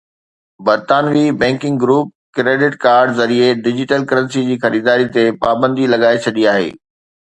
برطانوي banking group credit card ذريعي digital currency جي خريداري تي پابندي لڳائي ڇڏي آهي